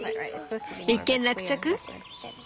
一件落着？